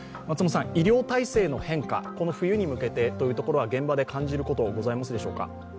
医療体制の変化、この冬に向けたというところ、現場で感じるところはございますでしょうか。